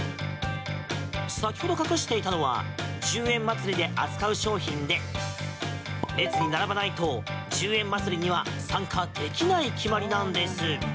先ほど隠していたのは１０円まつりで扱う商品で列に並ばないと１０円まつりには参加できない決まりなんです。